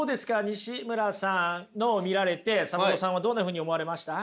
にしむらさんのを見られてサブローさんはどんなふうに思われました？